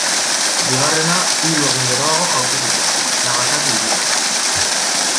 Bigarrena, hiru egun geroago jaurti zuten, Nagasaki hirian.